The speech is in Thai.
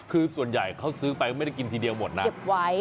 คือส่วนใหญ่เขาซื้อไปไม่ได้กินทีเดียวหมดนะเก็บไว้